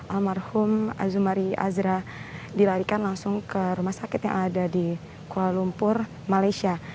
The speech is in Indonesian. almarhum azumari azra dilarikan langsung ke rumah sakit yang ada di kuala lumpur malaysia